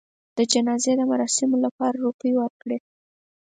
د جنازې مراسمو لپاره روپۍ ورکړې.